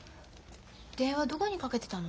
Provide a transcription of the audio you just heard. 電話どこにかけてたの？